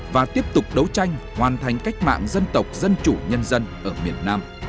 và tiếp tục đấu tranh hoàn thành cách mạng dân tộc dân chủ nhân dân ở miền nam